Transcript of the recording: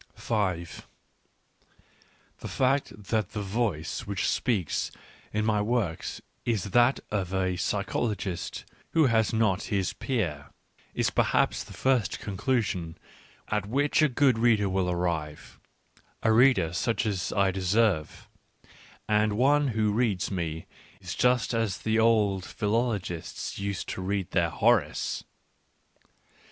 5 The fad* that the voice which speaks in my > works is that of a psychologist who has not his peer, is perhaps the first conclusion at which a good reader will arrive — a reader such as I deserve, and one who reads me just as the good old philologists used to read their Horace.